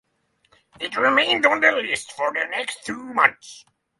It remained on the list for the next two months.